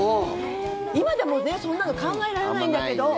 今でもそんなの考えられないんだけど。